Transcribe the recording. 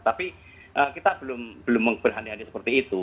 tapi kita belum berhenti henti seperti itu